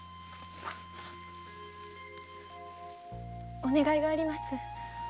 お願いがあります。